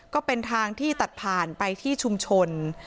ก็เป็นทางที่ตัดผ่านไปที่ชุมชน